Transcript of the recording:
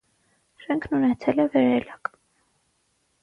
Շենքն ունեցել է վերելակ։